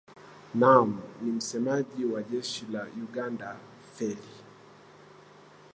naam ni msemaji wa jeshi la uganda feli